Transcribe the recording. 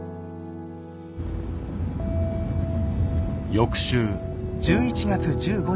翌週。